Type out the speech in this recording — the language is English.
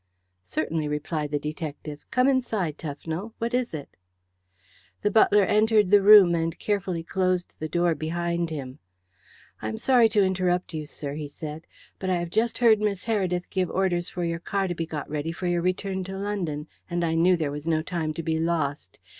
"Certainly," replied the detective. "Come inside, Tufnell. What is it?" The butler entered the room and carefully closed the door behind him. "I am sorry to interrupt you, sir," he said. "But I have just heard Miss Heredith give orders for your car to be got ready for your return to London, and I knew there was no time to be lost.